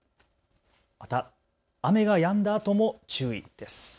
また、雨がやんだあとも注意です。